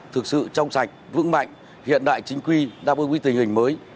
thực sự trong sạch vững mạnh hiện đại chính quy đáp ứng với tình hình mới